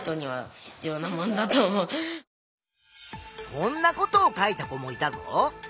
こんなことを書いた子もいたぞ。